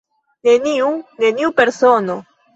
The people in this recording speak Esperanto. Neniu = neniu persono.